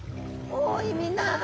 おいみんな。